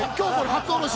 初下ろし？